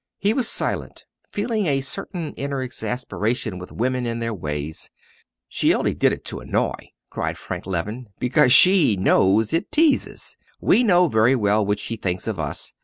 He was silent, feeling a certain inner exasperation with women and their ways. "'She only did it to annoy,'" cried Frank Leven; "'because she knows it teases.' We know very well what she thinks of us.